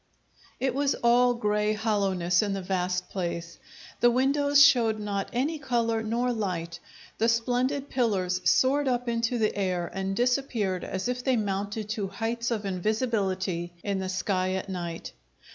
It was all grey hollowness in the vast place. The windows showed not any colour nor light; the splendid pillars soared up into the air and disappeared as if they mounted to heights of invisibility in the sky at night.